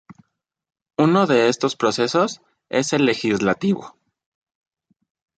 Uno de estos procesos es el legislativo.